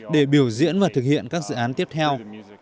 để biểu diễn và thực hiện các dự án tiếp theo